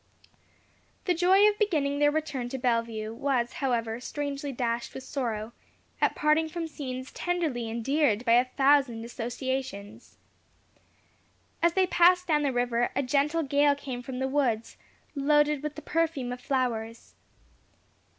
The joy of beginning their return to Bellevue was, however, strangely dashed with sorrow, at parting from scenes tenderly endeared by a thousand associations. As they passed down the river, a gentle gale came from the woods, loaded with the perfume of flowers.